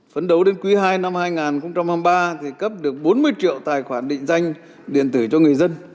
phấn đấu đến quý ii năm hai nghìn hai mươi ba thì cấp được bốn mươi triệu tài khoản định danh điện tử cho người dân